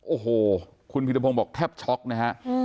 โอ้โหคุณพิธพงศ์บอกแทบช็อกนะฮะ